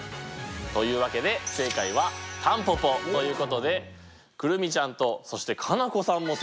というわけで正解は「タンポポ」ということで来泉ちゃんとそして佳菜子さんも正解です！